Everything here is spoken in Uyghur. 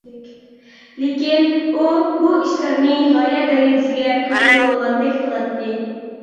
لېكىن ئۇ بۇ ئىشلارنى غايە دەرىجىسىگە كۆتۈرۈۋالغاندەك قىلاتتى.